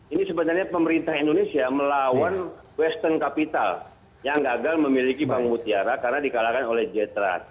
ini sebenarnya pemerintah indonesia melawan western capital yang gagal memiliki bank mutiara karena dikalahkan oleh jetras